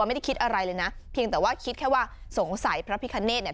ไม่ได้คิดอะไรเลยนะเพียงแต่ว่าคิดแค่ว่าสงสัยพระพิคเนธเนี่ย